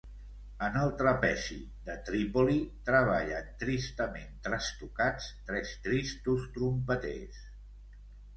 En el trapezi de Trípoli treballen tristament trastocats tres tristos trompeters.